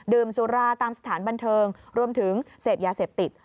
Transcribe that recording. สุราตามสถานบันเทิงรวมถึงเสพยาเสพติด